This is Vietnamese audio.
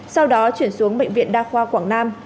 sau đó chuyển xuống bệnh viện đa khoa quảng nam